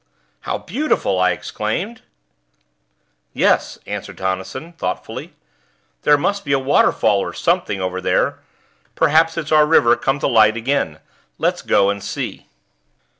"How beautiful!" I exclaimed. "Yes," answered Tonnison, thoughtfully. "There must be a waterfall, or something, over there. Perhaps it's our river come to light again. Let's go and see."